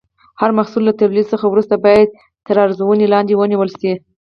هر محصول له تولید څخه وروسته باید تر ارزونې لاندې ونیول شي.